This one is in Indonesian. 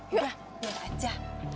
ya yaudah aja